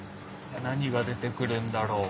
何が出てくるんだろう？